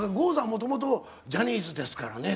もともとジャニーズですからね。